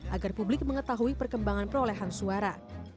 agar publik mengetahui perkembangan perolehan suara